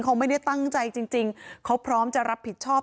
เขาไม่ได้ตั้งใจจริงเขาพร้อมจะรับผิดชอบ